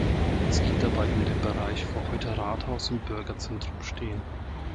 Es ging dabei um den Bereich, wo heute Rathaus und Bürgerzentrum stehen.